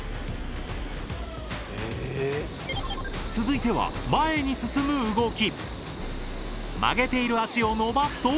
続いては前に進む動き。